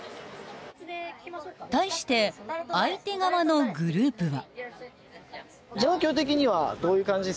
［対して相手側のグループは］